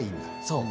そう。